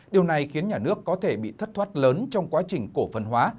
điều này khiến nhà nước có thể bị thất thoát lớn trong quá trình cổ phần hóa